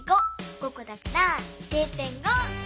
５こだから０．５！